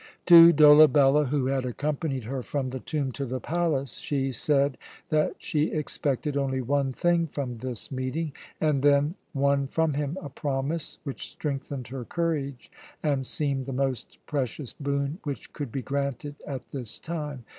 To Dolabella, who had accompanied her from the tomb to the palace, she said that she expected only one thing from this meeting, and then won from him a promise which strengthened her courage and seemed the most precious boon which could be granted at this time.